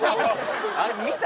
あれっ見た？